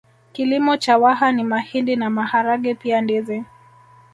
Kilimo cha Waha ni mahindi na maharage pia ndizi